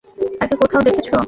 তাকে কোথাও দেখেছ?